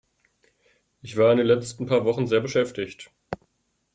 Ich war in den letzten paar Wochen sehr beschäftigt.